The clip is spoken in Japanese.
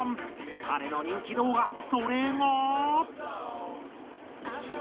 彼の人気動画それが。